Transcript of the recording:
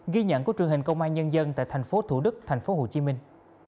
ghi nhận của truyền hình công an nhân dân tại thành phố thủ đức thành phố hồ chí minh